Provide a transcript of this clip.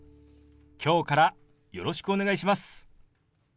今日からよろしくお願いします。